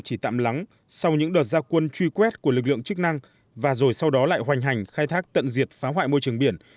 chỉ tạm lắng sau những đợt gia quân truy quét của lực lượng chức năng và rồi sau đó lại hoành hành khai thác tận diệt phá hoại môi trường biển